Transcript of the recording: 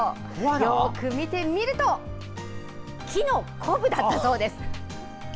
よく見てみると木のコブだったそうです。